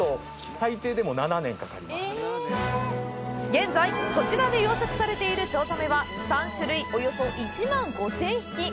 現在、こちらで養殖されているチョウザメは、３種類、およそ１万５０００匹。